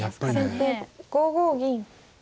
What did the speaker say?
先手５五銀。